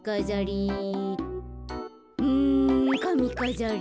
うんかみかざり。